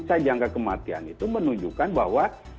satu digit saja angka kematian itu menunjukkan bahwa